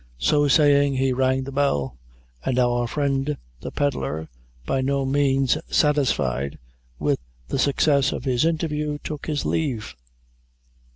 So saying, he rang the bell, and our friend the pedlar, by no means satisfied with the success of his interview, took his leave.